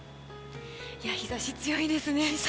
日差し強いですね。